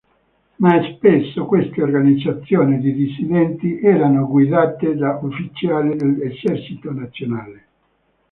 Ma spesso queste organizzazioni di dissidenti erano guidate da ufficiali dell'Esercito Nazionale.